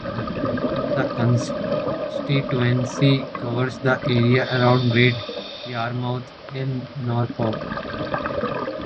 The constituency covers the area around Great Yarmouth in Norfolk.